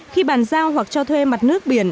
khi bàn giao hoặc cho thuê mặt nước